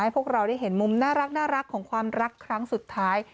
พวกเราได้เห็นมุมน่ารักของความรักครั้งสุดท้าย